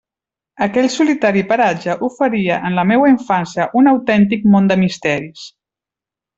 Aquell solitari paratge oferia, en la meua infància, un autèntic món de misteris.